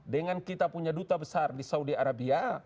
dengan kita punya duta besar di saudi arabia